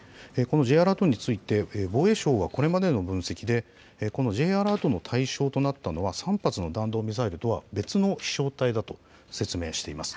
Ｊアラートについて防衛省はこれまでの分析で、Ｊアラートの対象となったのは３発の弾道ミサイルとは別の飛しょう体だと説明しています。